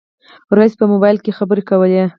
رئيسې په موبایل خبرې کولې.